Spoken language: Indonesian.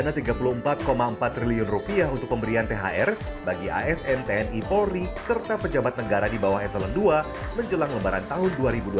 kami mengontorkan dana rp tiga puluh empat empat triliun untuk pemberian thr bagi asn tni polri serta pejabat negara di bawah s dua puluh dua menjelang lembaran tahun dua ribu dua puluh dua